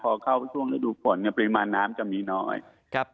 พอเข้าช่วงระดูกฝนปริมาณน้ำจะมีง่อน